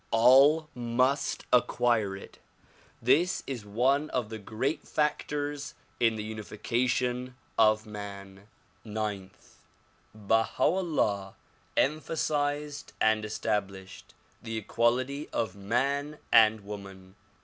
All must acquire it. This is one of the great factors in the uni fication of man. Ninth : Baha 'Ullah emphasized and established the equality of man and woman.